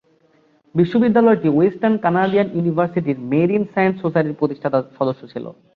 বিশ্ববিদ্যালয়টি western Canadian universities marine science সোসাইটির প্রতিষ্ঠাতা সদস্য ছিল।